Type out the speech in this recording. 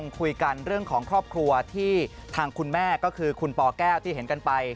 คุยกันเรื่องของครอบครัวที่ทางคุณแม่ก็คือคุณปแก้วที่เห็นกันไป